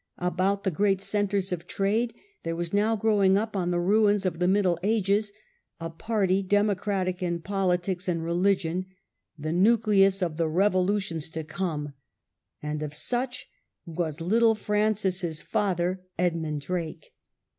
About the great centres of trade there was now growing up on the ruins of the Middle Ages a party democratic in politics and religion, the nucleus of the revolutions to come, and of such was little Francis's father, Edmund Drake.